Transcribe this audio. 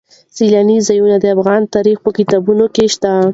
سیلاني ځایونه د افغان تاریخ په کتابونو کې شته.